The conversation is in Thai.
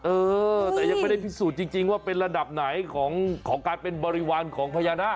เออแต่ยังไม่ได้พิสูจน์จริงว่าเป็นระดับไหนของการเป็นบริวารของพญานาค